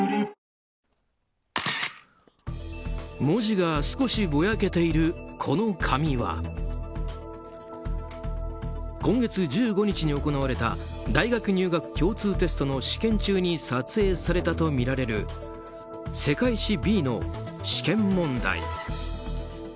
文字が少しぼやけているこの紙は今月１５日に行われた大学入学共通テストの試験中に撮影されたとみられる世界史Ｂの試験問題。